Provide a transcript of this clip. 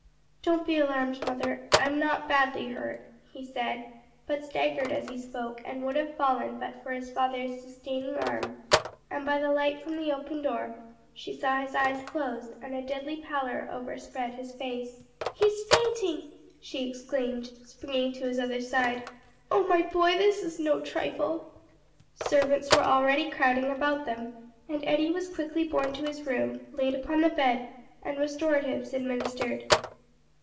"Don't be alarmed, mother, I'm not badly hurt," he said, but staggered as he spoke, and would have fallen but for his father's sustaining arm, and by the light from the open door, she saw his eyes close and a deadly pallor overspread his face. "He's fainting!" she exclaimed, springing to his other side. "Oh, my boy, this is no trifle!" Servants were already crowding about them, and Eddie was quickly borne to his room, laid upon the bed, and restoratives administered.